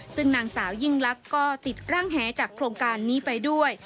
ซึ่งนางสาวยิ่งลักษณ์ก็ติดร่างแหจากโครงการนี้ไปด้วย